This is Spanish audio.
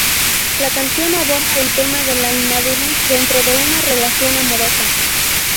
La canción aborda el tema de la inmadurez dentro de una relación amorosa.